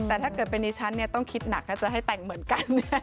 แต่ถ้าเกิดเป็นดิฉันต้องคิดหนักถ้าจะให้แต่งเหมือนกัน